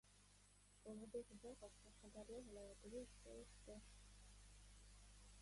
Ulug‘bek Uzoqov Qashqadaryo viloyatiga ishga o‘tdi